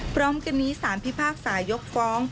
พร้อมกันนี้สารพิพากษายกฟ้อง